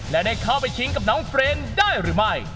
และได้เข้าไปชิงกับน้องเฟรนด์ได้หรือไม่